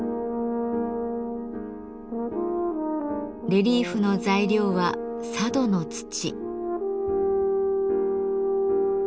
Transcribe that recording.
レリーフの材料は佐渡の土。